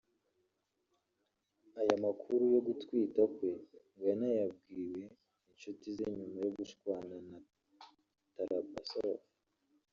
Aya makuru yo gutwita kwe ngo yanayabwiye incuti ze nyuma yo gushwana na Tarabasov